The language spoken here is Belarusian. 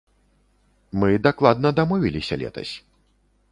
Мы дакладна дамовіліся летась.